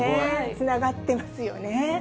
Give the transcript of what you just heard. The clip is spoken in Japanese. つながってますよね。